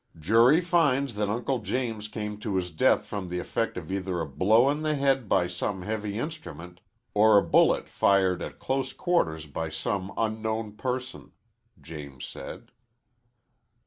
"Jury finds that Uncle James came to his death from the effect of either a blow on the head by some heavy instrument, or a bullet fired at close quarters by some unknown person," James said.